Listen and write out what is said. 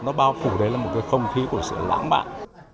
nó bao phủ đến một cái không khí của sự lãng mạn